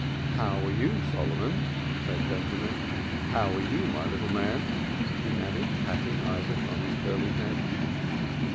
"How are you, Solomon?" said Benjamin. "How are you, my little man," he added, patting Isaac on his curly head.